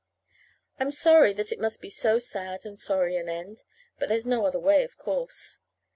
I'm sorry that it must be so sad and sorry an end. But there's no other way, of course.